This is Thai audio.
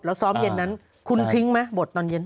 แล้วซ้อมเย็นนั้นคุณทิ้งไหมบทตอนเย็น